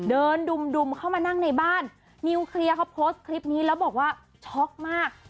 ดุมเข้ามานั่งในบ้านนิวเคลียร์เขาโพสต์คลิปนี้แล้วบอกว่าช็อกมาก